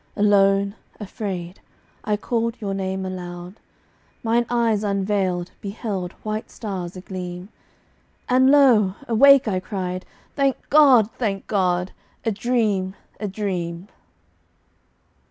Alone, afraid, I called your name aloud Mine eyes, unveiled, beheld white stars agleam, And lo! awake, I cried, "Thank God, thank God! A dream a dream!"